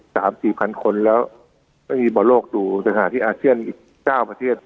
สามสี่พันคนแล้วก็มีบอลโลกดูสถานที่อาเซียนอีกเก้าประเทศ